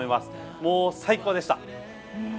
もう最高でした！